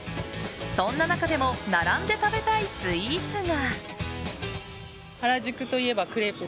そんな中でも並んで食べたいスイーツが。